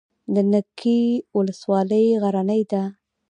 د نکې ولسوالۍ غرنۍ ده